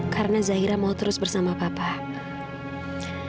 karena zaira mau terus bersama bapak